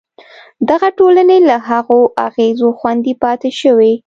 دغه ټولنې له هغو اغېزو خوندي پاتې شوې.